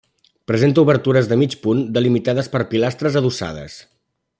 Presenta obertures de mig punt delimitades per pilastres adossades.